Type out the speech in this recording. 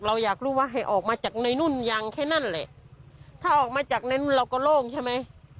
เราอยากรู้ว่าให้ออกมาจากในนุ่นยังแค่นั้นแหละถ้าออกมาจากนั้นเราก็โล่งใช่ไหม